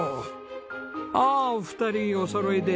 ああお二人おそろいで。